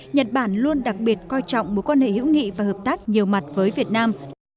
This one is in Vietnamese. nhật bản luôn đặc biệt coi trọng mối quan hệ hữu nghị và hợp tác nhiều mặt với việt nam